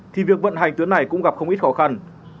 thì việc vận hành tuyến này cũng gặp không ít khó khăn